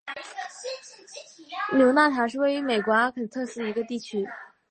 纽纳塔是位于美国阿肯色州斯通县的一个非建制地区。